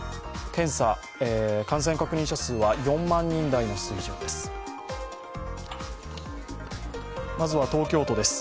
検査・感染確認者数は４万人台の水準です。